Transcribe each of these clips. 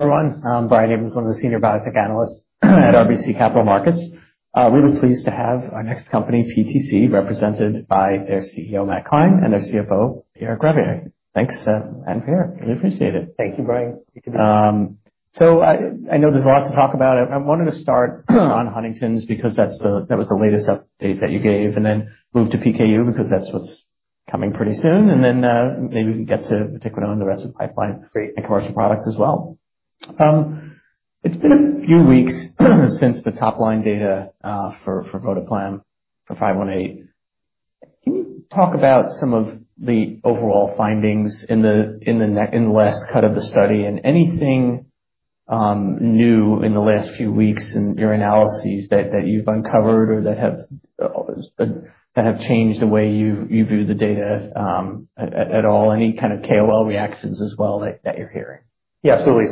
Everyone, I'm Brian Heppelman, one of the senior biotech analysts at RBC Capital Markets. We're really pleased to have our next company, PTC, represented by their CEO, Matt Klein, and their CFO, Pierre Gravier. Thanks, Matt and Pierre. Really appreciate it. Thank you, Brian. I know there's a lot to talk about. I wanted to start on Huntington's because that was the latest update that you gave, and then move to PKU because that's what's coming pretty soon. Maybe we can get to PTC and the rest of the pipeline and commercial products as well. It's been a few weeks since the top-line data for PTC518. Can you talk about some of the overall findings in the last cut of the study and anything new in the last few weeks in your analyses that you've uncovered or that have changed the way you view the data at all? Any kind of KOL reactions as well that you're hearing? Yeah, absolutely.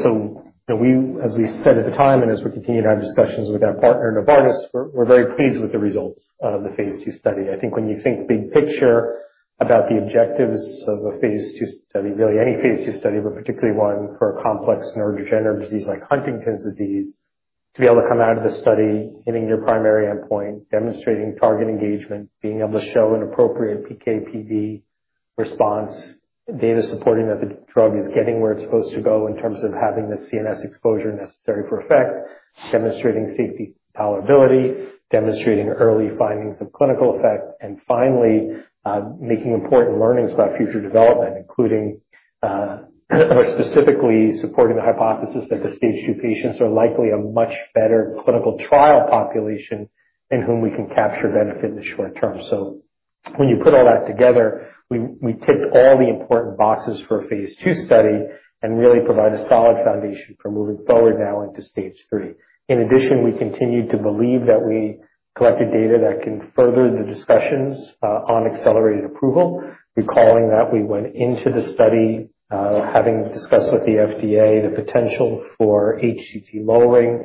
As we said at the time and as we continue to have discussions with our partner Novartis, we're very pleased with the results of the phase II study. I think when you think big picture about the objectives of a phase II study, really any phase II study, but particularly one for a complex neurodegenerative disease like Huntington's disease, to be able to come out of the study hitting your primary endpoint, demonstrating target engagement, being able to show an appropriate PK/PD response, data supporting that the drug is getting where it's supposed to go in terms of having the CNS exposure necessary for effect, demonstrating safety tolerability, demonstrating early findings of clinical effect, and finally, making important learnings about future development, including specifically supporting the hypothesis that the stage two patients are likely a much better clinical trial population in whom we can capture benefit in the short term. When you put all that together, we ticked all the important boxes for a phase II study and really provided a solid foundation for moving forward now into stage three. In addition, we continue to believe that we collected data that can further the discussions on accelerated approval, recalling that we went into the study having discussed with the FDA the potential for HTT lowering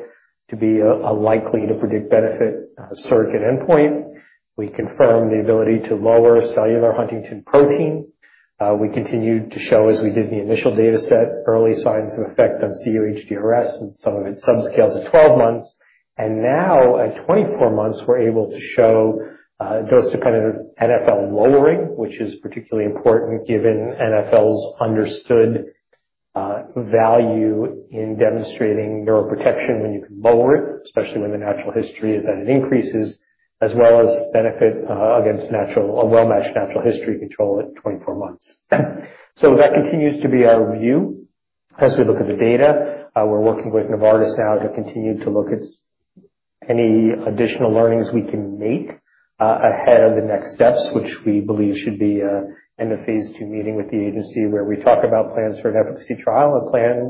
to be a likely to predict benefit surrogate endpoint. We confirmed the ability to lower cellular huntingtin protein. We continued to show, as we did in the initial data set, early signs of effect on cUHDRS and some of its subscales at 12 months. At 24 months, we're able to show dose-dependent NfL lowering, which is particularly important given NfL's understood value in demonstrating neuroprotection when you can lower it, especially when the natural history is that it increases, as well as benefit against well-matched natural history control at 24 months. That continues to be our view. As we look at the data, we're working with Novartis now to continue to look at any additional learnings we can make ahead of the next steps, which we believe should be in the phase II meeting with the agency where we talk about plans for an efficacy trial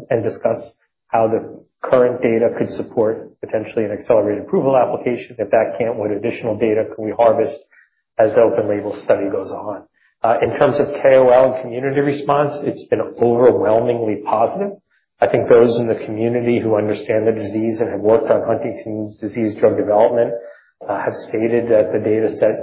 and discuss how the current data could support potentially an accelerated approval application. If that can't, what additional data can we harvest as the open label study goes on? In terms of KOL and community response, it's been overwhelmingly positive. I think those in the community who understand the disease and have worked on Huntington's disease drug development have stated that the data set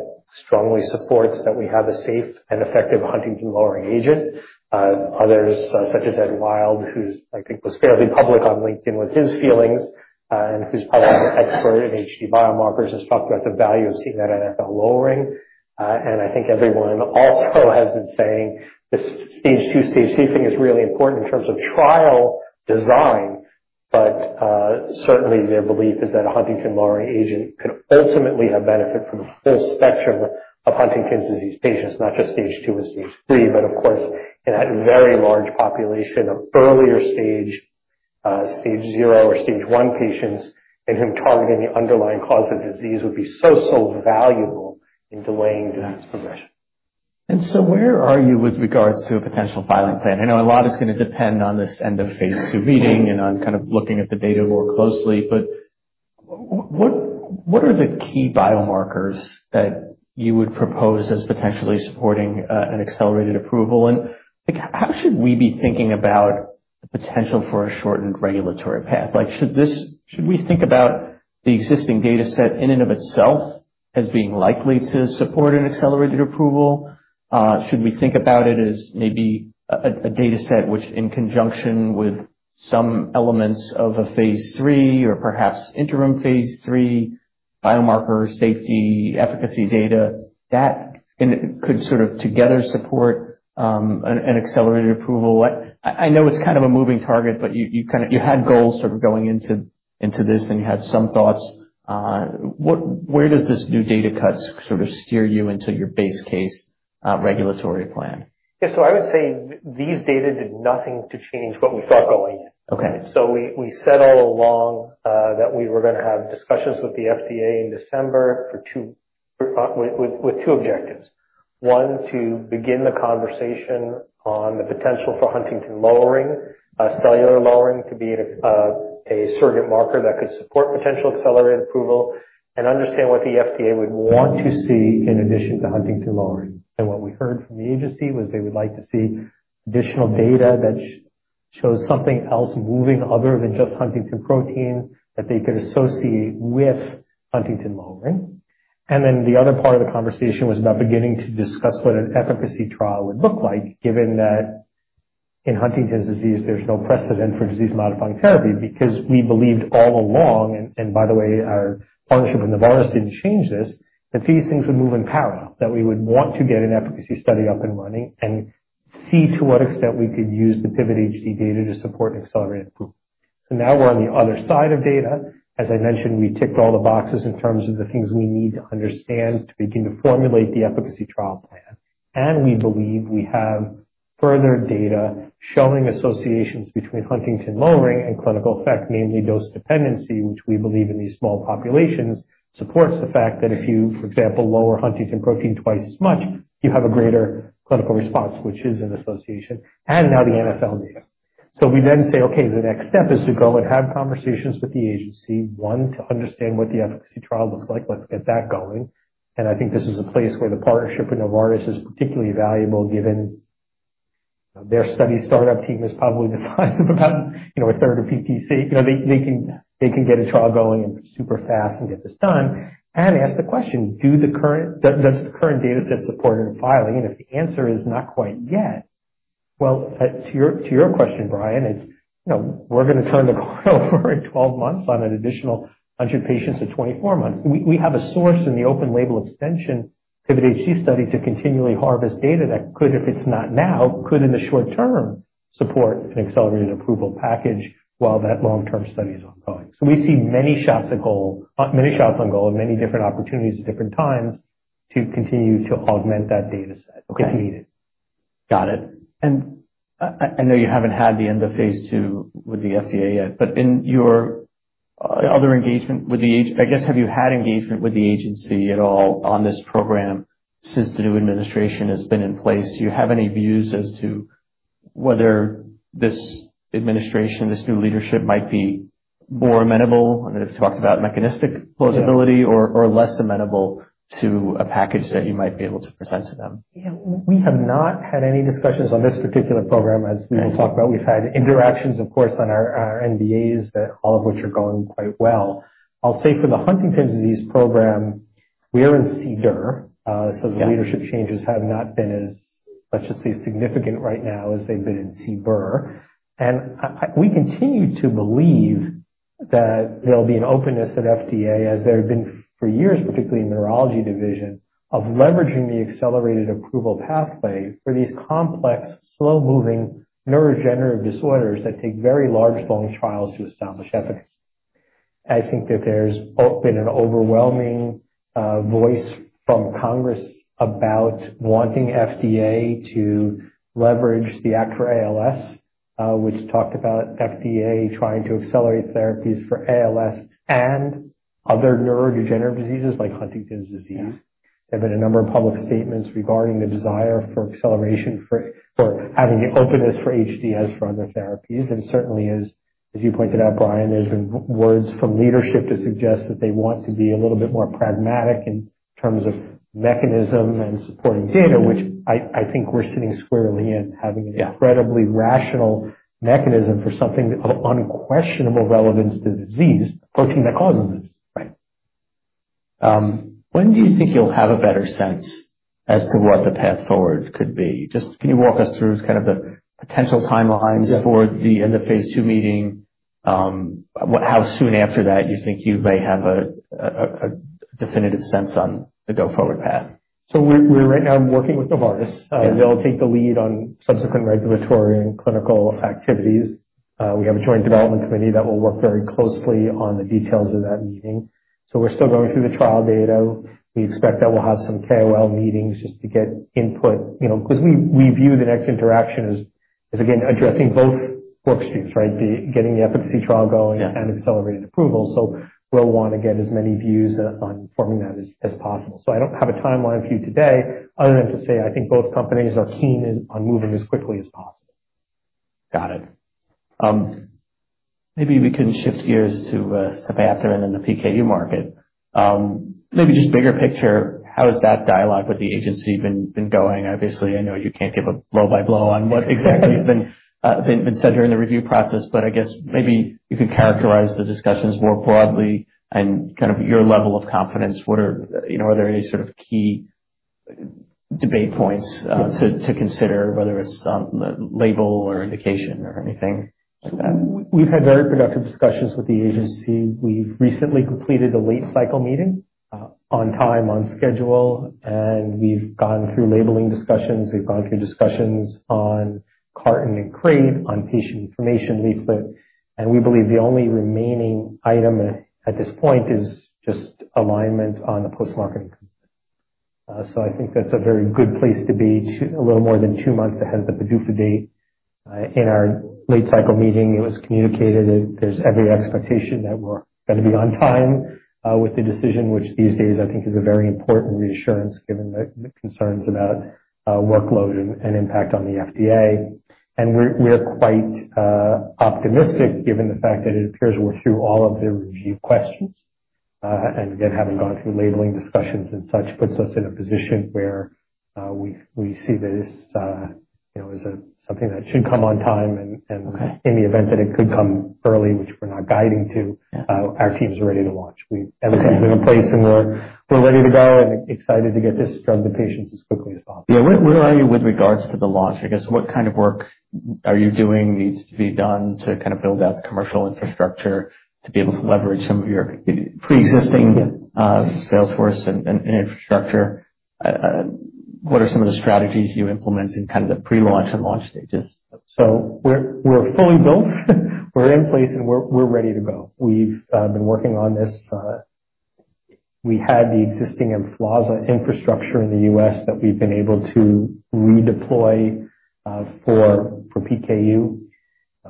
strongly supports that we have a safe and effective Huntington lowering agent. Others, such as Ed Wilde, who I think was fairly public on LinkedIn with his feelings and who is probably an expert in HD biomarkers, has talked about the value of seeing that NfL lowering. I think everyone also has been saying this stage two, stage three thing is really important in terms of trial design. Certainly, their belief is that a HTT lowering agent could ultimately have benefit for a full spectrum of Huntington's disease patients, not just stage two and stage three, but of course, in that very large population of earlier stage, stage zero or stage one patients in whom targeting the underlying cause of disease would be so, so valuable in delaying disease progression. Where are you with regards to a potential filing plan? I know a lot is going to depend on this end of phase II meeting and on kind of looking at the data more closely. What are the key biomarkers that you would propose as potentially supporting an accelerated approval? How should we be thinking about the potential for a shortened regulatory path? Should we think about the existing data set in and of itself as being likely to support an accelerated approval? Should we think about it as maybe a data set which, in conjunction with some elements of a phase III or perhaps interim phase III biomarker safety efficacy data, that could sort of together support an accelerated approval? I know it's kind of a moving target, but you had goals sort of going into this and you had some thoughts. Where does this new data cut sort of steer you into your base case regulatory plan? Yeah. I would say these data did nothing to change what we thought going in. We said all along that we were going to have discussions with the FDA in December with two objectives. One, to begin the conversation on the potential for Huntington lowering, cellular lowering to be a surrogate marker that could support potential accelerated approval, and understand what the FDA would want to see in addition to Huntington lowering. What we heard from the agency was they would like to see additional data that shows something else moving other than just Huntington protein that they could associate with Huntington lowering. The other part of the conversation was about beginning to discuss what an efficacy trial would look like, given that in Huntington's disease, there's no precedent for disease-modifying therapy because we believed all along, and by the way, our partnership with Novartis didn't change this, that these things would move in parallel, that we would want to get an efficacy study up and running and see to what extent we could use the PTC data to support accelerated approval. Now we're on the other side of data. As I mentioned, we ticked all the boxes in terms of the things we need to understand to begin to formulate the efficacy trial plan. We believe we have further data showing associations between Huntington lowering and clinical effect, namely dose dependency, which we believe in these small populations supports the fact that if you, for example, lower Huntington protein twice as much, you have a greater clinical response, which is an association. Now the NfL data. We then say, okay, the next step is to go and have conversations with the agency, one, to understand what the efficacy trial looks like. Let's get that going. I think this is a place where the partnership with Novartis is particularly valuable given their study startup team is probably the size of about a third of PTC. They can get a trial going super fast and get this done. Ask the question, does the current data set support a filing? If the answer is not quite yet, to your question, Brian, it's we're going to turn the corner over in 12 months on an additional 100 patients at 24 months. We have a source in the open label extension PTC study to continually harvest data that could, if it's not now, could in the short term support an accelerated approval package while that long-term study is ongoing. We see many shots on goal, many different opportunities at different times to continue to augment that data set if needed. Got it. I know you haven't had the end of phase II with the FDA yet, but in your other engagement with the agency, I guess, have you had engagement with the agency at all on this program since the new administration has been in place? Do you have any views as to whether this administration, this new leadership, might be more amenable? I know we've talked about mechanistic plausibility or less amenable to a package that you might be able to present to them. Yeah. We have not had any discussions on this particular program, as we will talk about. We've had interactions, of course, on our NDAs, all of which are going quite well. I'll say for the Huntington's disease program, we are in CDER, so the leadership changes have not been as, let's just say, significant right now as they've been in CBER. We continue to believe that there'll be an openness at FDA, as there have been for years, particularly in the neurology division, of leveraging the accelerated approval pathway for these complex, slow-moving neurodegenerative disorders that take very large long trials to establish efficacy. I think that there's been an overwhelming voice from Congress about wanting FDA to leverage the ACT for ALS, which talked about FDA trying to accelerate therapies for ALS and other neurodegenerative diseases like Huntington's disease. There have been a number of public statements regarding the desire for acceleration for having the openness for HDS for other therapies. Certainly, as you pointed out, Brian, there have been words from leadership to suggest that they want to be a little bit more pragmatic in terms of mechanism and supporting data, which I think we are sitting squarely in, having an incredibly rational mechanism for something of unquestionable relevance to the disease, the protein that causes the disease. Right. When do you think you'll have a better sense as to what the path forward could be? Just can you walk us through kind of the potential timelines for the end of phase II meeting? How soon after that do you think you may have a definitive sense on the go-forward path? We're right now working with Novartis. They'll take the lead on subsequent regulatory and clinical activities. We have a joint development committee that will work very closely on the details of that meeting. We're still going through the trial data. We expect that we'll have some KOL meetings just to get input because we view the next interaction as, again, addressing both work streams, right? Getting the efficacy trial going and accelerated approval. We'll want to get as many views on forming that as possible. I don't have a timeline for you today other than to say I think both companies are keen on moving as quickly as possible. Got it. Maybe we can shift gears to Sebastian and the PKU market. Maybe just bigger picture, how has that dialogue with the agency been going? Obviously, I know you can't give a blow-by-blow on what exactly has been said during the review process, but I guess maybe you can characterize the discussions more broadly and kind of your level of confidence. Are there any sort of key debate points to consider, whether it's label or indication or anything like that? We've had very productive discussions with the agency. We've recently completed the late cycle meeting on time, on schedule, and we've gone through labeling discussions. We've gone through discussions on carton and crate on patient information leaflet. We believe the only remaining item at this point is just alignment on the post-marketing commitment. I think that's a very good place to be a little more than two months ahead of the PDUFA date. In our late cycle meeting, it was communicated that there's every expectation that we're going to be on time with the decision, which these days, I think, is a very important reassurance given the concerns about workload and impact on the FDA. We're quite optimistic given the fact that it appears we're through all of the review questions. Having gone through labeling discussions and such puts us in a position where we see this as something that should come on time. In the event that it could come early, which we're not guiding to, our team is ready to launch. Everything's in place and we're ready to go and excited to get this drug to patients as quickly as possible. Yeah. Where are you with regards to the launch? I guess what kind of work are you doing needs to be done to kind of build out the commercial infrastructure to be able to leverage some of your pre-existing Salesforce and infrastructure? What are some of the strategies you implement in kind of the pre-launch and launch stages? We're fully built. We're in place and we're ready to go. We've been working on this. We had the existing infrastructure in the U.S. that we've been able to redeploy for PKU.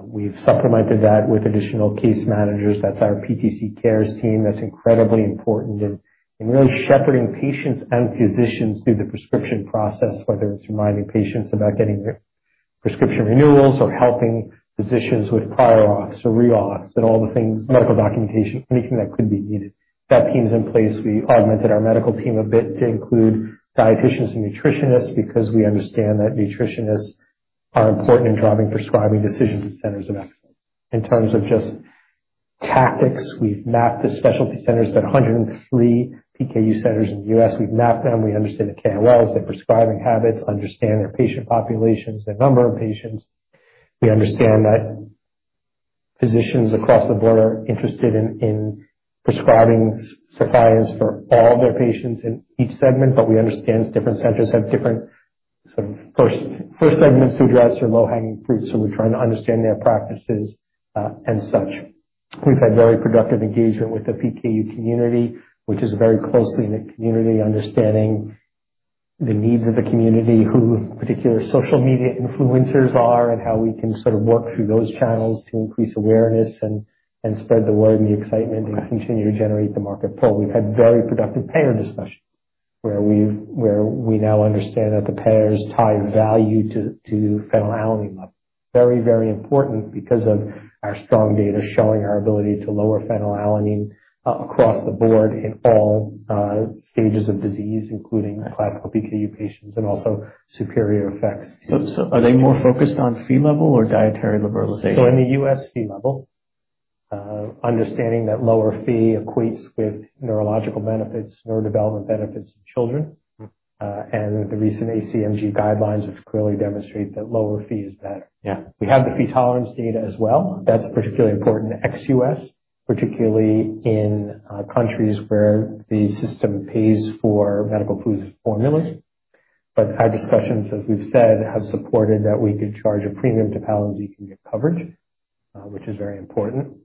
We've supplemented that with additional case managers. That's our PTC Cares team. That's incredibly important in really shepherding patients and physicians through the prescription process, whether it's reminding patients about getting prescription renewals or helping physicians with prior auths or reauths and all the things, medical documentation, anything that could be needed. That team's in place. We augmented our medical team a bit to include dietitians and nutritionists because we understand that nutritionists are important in driving prescribing decisions and centers of excellence. In terms of just tactics, we've mapped the specialty centers, the 103 PKU centers in the U.S. We've mapped them. We understand the KOLs, their prescribing habits, understand their patient populations, the number of patients. We understand that physicians across the board are interested in prescribing suppliers for all of their patients in each segment, but we understand different centers have different sort of first segments to address or low-hanging fruits. We are trying to understand their practices and such. We have had very productive engagement with the PKU community, which is very closely in the community, understanding the needs of the community, who particular social media influencers are, and how we can sort of work through those channels to increase awareness and spread the word and the excitement and continue to generate the market pull. We have had very productive payer discussions where we now understand that the payers tie value to phenylalanine level. Very, very important because of our strong data showing our ability to lower phenylalanine across the board in all stages of disease, including classical PKU patients and also superior effects. Are they more focused on Phe level or dietary liberalization? In the U.S., Phe level, understanding that lower Phe equates with neurological benefits, neurodevelopment benefits in children, and the recent ACMG guidelines, which clearly demonstrate that lower Phe is better. We have the Phe tolerance data as well. That's particularly important in ex-US, particularly in countries where the system pays for medical foods and formulas. Our discussions, as we've said, have supported that we could charge a premium to Kuvan and get coverage, which is very important.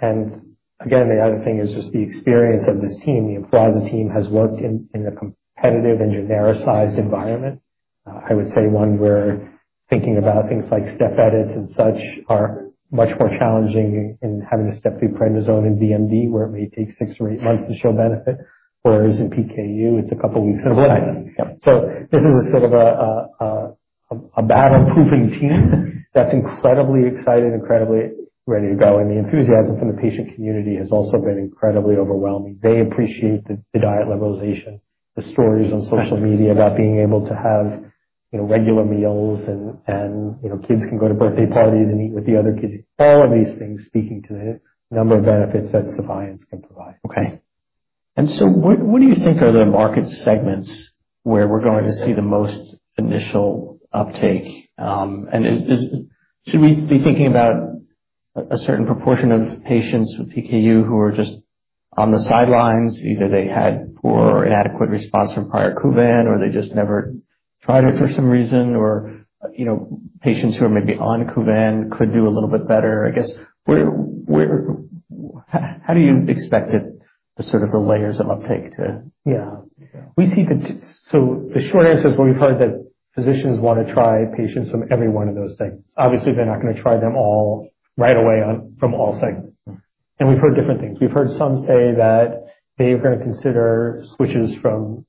The other thing is just the experience of this team. The Emflaza team has worked in a competitive and genericized environment. I would say one where thinking about things like step edits and such are much more challenging in having to step through prednisone and DMD, where it may take six or eight months to show benefit, whereas in PKU, it's a couple of weeks and a blast. This is a sort of a battle-proofing team that's incredibly excited, incredibly ready to go. The enthusiasm from the patient community has also been incredibly overwhelming. They appreciate the diet liberalization, the stories on social media about being able to have regular meals, and kids can go to birthday parties and eat with the other kids. All of these things speaking to the number of benefits that surveillance can provide. Okay. What do you think are the market segments where we're going to see the most initial uptake? Should we be thinking about a certain proportion of patients with PKU who are just on the sidelines? Either they had poor or inadequate response from prior Kuvan, or they just never tried it for some reason, or patients who are maybe on Kuvan could do a little bit better. I guess, how do you expect sort of the layers of uptake to? Yeah. The short answer is we've heard that physicians want to try patients from every one of those segments. Obviously, they're not going to try them all right away from all segments. We've heard different things. We've heard some say that they are going to consider switches from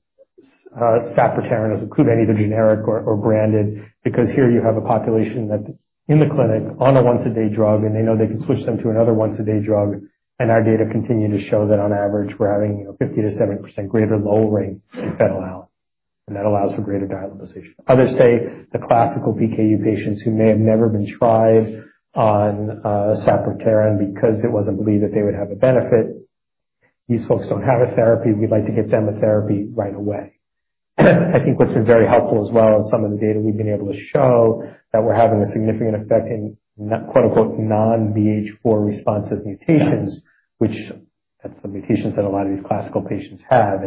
sapropterin to Kuvan, either generic or branded, because here you have a population that's in the clinic on a once-a-day drug, and they know they can switch them to another once-a-day drug. Our data continue to show that on average, we're having 50%-70% greater lowering in phenylalanine, and that allows for greater dialyzation. Others say the classical PKU patients who may have never been tried on sapropterin because it wasn't believed that they would have a benefit, these folks don't have a therapy. We'd like to get them a therapy right away. I think what's been very helpful as well is some of the data we've been able to show that we're having a significant effect in non-BH4 responsive mutations, which that's the mutations that a lot of these classical patients have.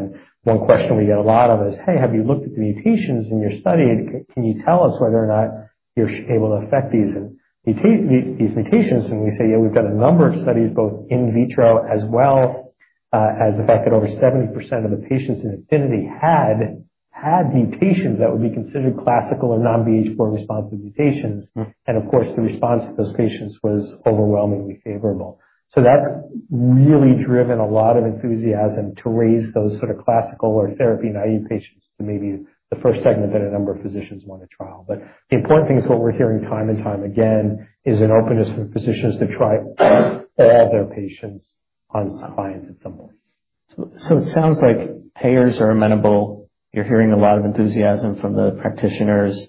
One question we get a lot of is, "Hey, have you looked at the mutations in your study? Can you tell us whether or not you're able to affect these mutations?" We say, "Yeah, we've done a number of studies, both in vitro as well as the fact that over 70% of the patients in APHENITY had mutations that would be considered classical or non-BH4 responsive mutations." Of course, the response to those patients was overwhelmingly favorable. That's really driven a lot of enthusiasm to raise those sort of classical or therapy naive patients to maybe the first segment that a number of physicians want to trial. The important thing is what we're hearing time and time again is an openness for physicians to try all of their patients on Sepiapterin at some point. It sounds like payers are amenable. You're hearing a lot of enthusiasm from the practitioners,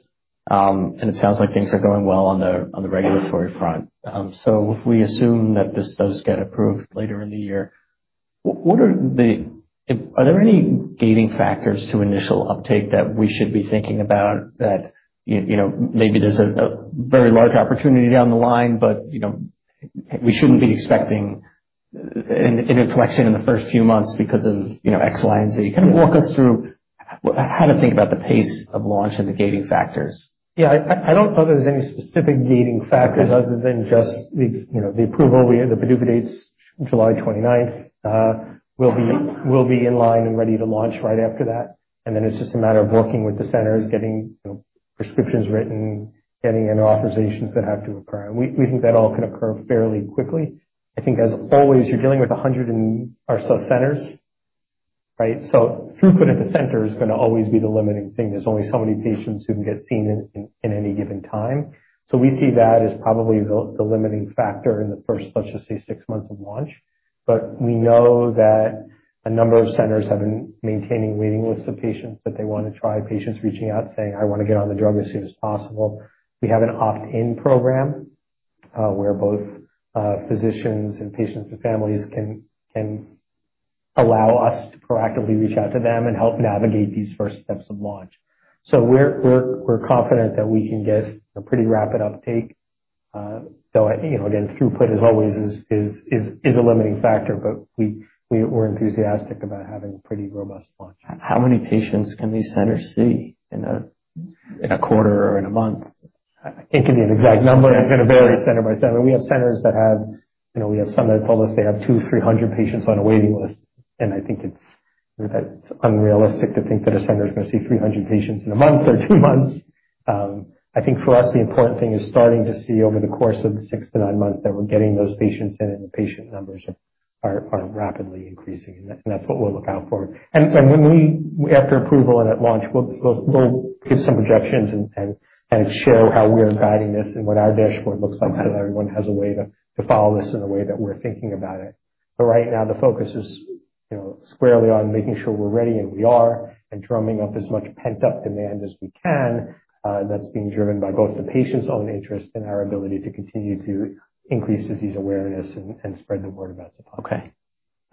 and it sounds like things are going well on the regulatory front. If we assume that this does get approved later in the year, are there any gating factors to initial uptake that we should be thinking about, that maybe there's a very large opportunity down the line, but we shouldn't be expecting an inflection in the first few months because of X, Y, and Z? Kind of walk us through how to think about the pace of launch and the gating factors. Yeah. I don't know that there's any specific gating factors other than just the approval. The PDUFA date is on July 29 and we will be in line and ready to launch right after that. It is just a matter of working with the centers, getting prescriptions written, getting any authorizations that have to occur. We think that all can occur fairly quickly. I think, as always, you're dealing with 100 or so centers, right? Throughput at the center is going to always be the limiting thing. There are only so many patients who can get seen in any given time. We see that as probably the limiting factor in the first, let's just say, six months of launch. We know that a number of centers have been maintaining waiting lists of patients that they want to try, patients reaching out saying, "I want to get on the drug as soon as possible." We have an opt-in program where both physicians and patients and families can allow us to proactively reach out to them and help navigate these first steps of launch. We are confident that we can get a pretty rapid uptake. Though, again, throughput, as always, is a limiting factor, but we are enthusiastic about having a pretty robust launch. How many patients can these centers see in a quarter or in a month? I can't give you an exact number. It's going to vary center by center. We have centers that have, we have some that have told us they have 200-300 patients on a waiting list. I think it's unrealistic to think that a center is going to see 300 patients in a month or two months. I think for us, the important thing is starting to see over the course of the six to nine months that we're getting those patients in and the patient numbers are rapidly increasing. That's what we'll look out for. After approval and at launch, we'll give some projections and kind of share how we are guiding this and what our dashboard looks like so everyone has a way to follow this in the way that we're thinking about it. Right now, the focus is squarely on making sure we're ready and we are and drumming up as much pent-up demand as we can. That's being driven by both the patient's own interest and our ability to continue to increase disease awareness and spread the word about suppliers. Okay.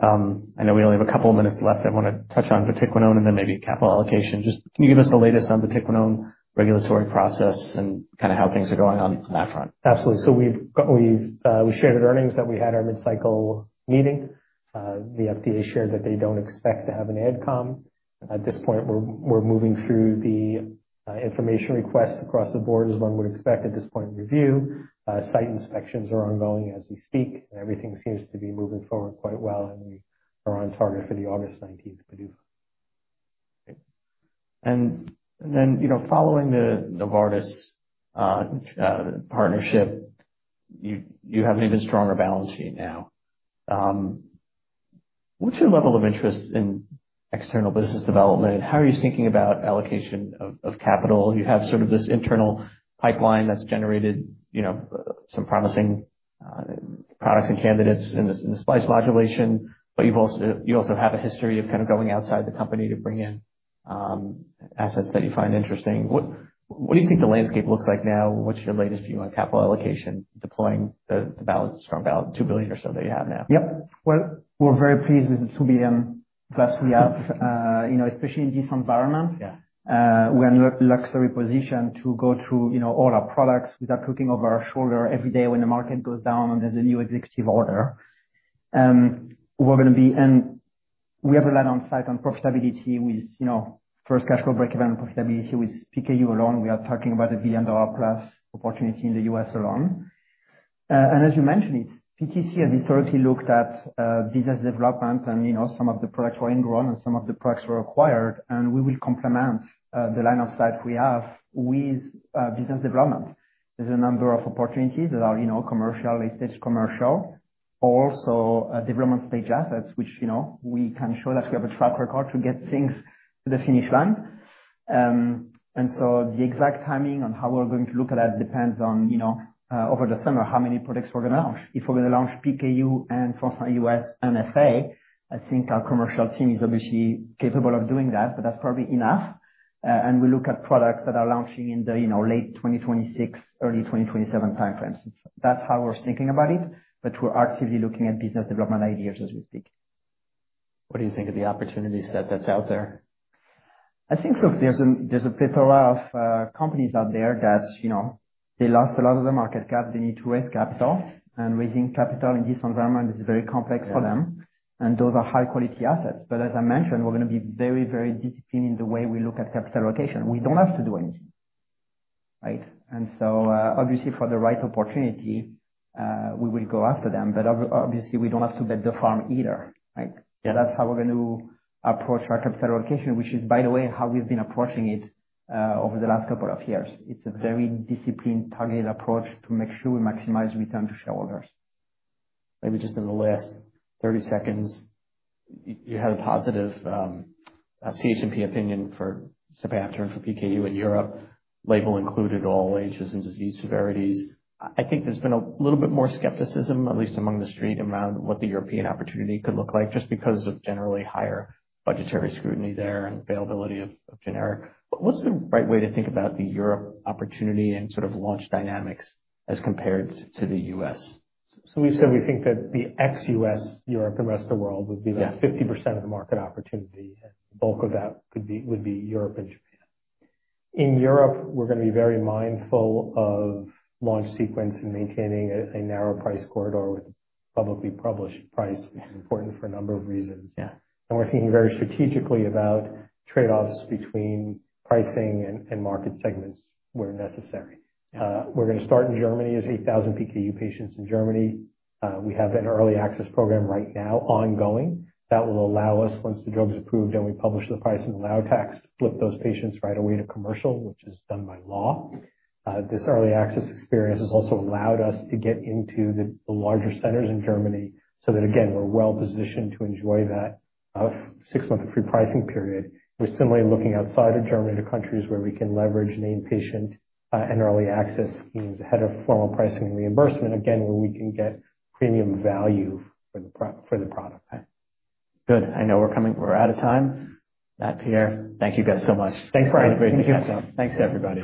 I know we only have a couple of minutes left. I want to touch on PTC518 and then maybe capital allocation. Just can you give us the latest on the PTC518 regulatory process and kind of how things are going on that front? Absolutely. We shared at earnings that we had our mid-cycle meeting. The FDA shared that they do not expect to have an ad com. At this point, we are moving through the information requests across the board as one would expect at this point in review. Site inspections are ongoing as we speak, and everything seems to be moving forward quite well, and we are on target for the August 19 PDUFA. Following the Novartis partnership, you have an even stronger balance sheet now. What's your level of interest in external business development? How are you thinking about allocation of capital? You have sort of this internal pipeline that's generated some promising products and candidates in the splice modulation, but you also have a history of kind of going outside the company to bring in assets that you find interesting. What do you think the landscape looks like now? What's your latest view on capital allocation, deploying the strong balance, $2 billion or so that you have now? Yep. We're very pleased with the $2 billion plus we have, especially in this environment. We're in a luxury position to go through all our products without looking over our shoulder every day when the market goes down and there's a new executive order. We're going to be in, we have a lot on site on profitability with first cash flow breakeven profitability with PKU alone. We are talking about a billion-dollar-plus opportunity in the U.S. alone. As you mentioned, PTC has historically looked at business development, and some of the products were ingrown and some of the products were acquired. We will complement the line of sight we have with business development. There's a number of opportunities that are commercial, late-stage commercial, also development-stage assets, which we can show that we have a track record to get things to the finish line. The exact timing on how we're going to look at that depends on over the summer how many products we're going to launch. If we're going to launch PKU in France and U.S. and FA, I think our commercial team is obviously capable of doing that, but that's probably enough. We look at products that are launching in the late 2026, early 2027 timeframes. That's how we're thinking about it, but we're actively looking at business development ideas as we speak. What do you think of the opportunity set that's out there? I think, look, there's a plethora of companies out there that they lost a lot of their market cap. They need to raise capital. Raising capital in this environment is very complex for them. Those are high-quality assets. As I mentioned, we're going to be very, very disciplined in the way we look at capital allocation. We do not have to do anything, right? Obviously, for the right opportunity, we will go after them. Obviously, we do not have to bet the farm either, right? That is how we're going to approach our capital allocation, which is, by the way, how we've been approaching it over the last couple of years. It is a very disciplined, targeted approach to make sure we maximize return to shareholders. Maybe just in the last 30 seconds, you had a positive CHMP opinion for Sepiapterin for PKU in Europe, label included all ages and disease severities. I think there's been a little bit more skepticism, at least among the street, around what the European opportunity could look like, just because of generally higher budgetary scrutiny there and availability of generic. What's the right way to think about the Europe opportunity and sort of launch dynamics as compared to the U.S.? We've said we think that the ex-US, Europe, and rest of the world would be about 50% of the market opportunity, and the bulk of that would be Europe and Japan. In Europe, we're going to be very mindful of launch sequence and maintaining a narrow price corridor with publicly published price, which is important for a number of reasons. We're thinking very strategically about trade-offs between pricing and market segments where necessary. We're going to start in Germany as there are 8,000 PKU patients in Germany. We have an early access program right now ongoing that will allow us, once the drug is approved and we publish the price and allow tax, to flip those patients right away to commercial, which is done by law. This early access experience has also allowed us to get into the larger centers in Germany so that, again, we're well positioned to enjoy that six-month free pricing period. We're similarly looking outside of Germany to countries where we can leverage named patient and early access schemes ahead of formal pricing and reimbursement, again, where we can get premium value for the product. Good. I know we're out of time. Matt, Pierre, thank you guys so much. Thanks for having me. Thanks, everyone.